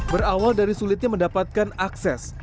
berawal dari sulitnya mendapatkan akses